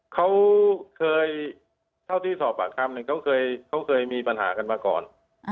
เขาเคยเท่าที่สอบปากคำเนี่ยเขาเคยมีปัญหากันมาก่อน